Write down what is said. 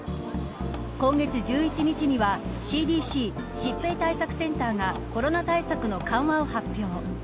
今月１１日にはＣＤＣ疾病対策センターがコロナ対策の緩和を発表。